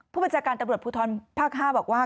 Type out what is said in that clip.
ผู้บัจจากการตำรวจผู้ท้อนภาคห้าบอกว่า